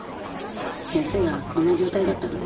先生がこんな状態だったらね。